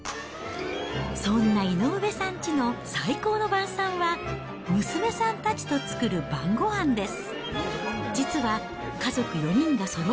そんな井上さんちの最高の晩さんは、娘さんたちと作る晩ごはんです。